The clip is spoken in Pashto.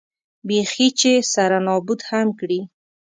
بېخي چې سره نابود هم کړي.